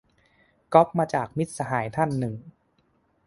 ก๊อปมาจาก มิตรสหายท่านหนึ่ง